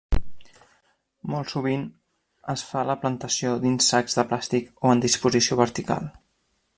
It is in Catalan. Molt sovint es fa la plantació dins sacs de plàstic o en disposició vertical.